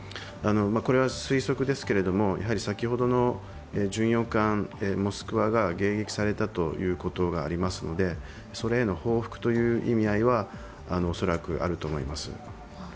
これは推測ですけれども、先ほどの巡洋艦「モスクワ」が迎撃されたということがありますのでそれへの報復という意味合いは恐らくあると思います。